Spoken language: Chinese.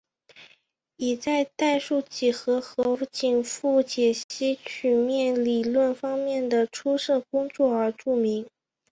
以在代数几何和紧复解析曲面理论方面的出色工作而著名。